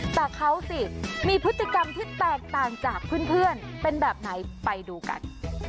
แต่เขาสิมีพฤติกรรมที่แตกต่างจากเพื่อนเป็นแบบไหนไปดูกัน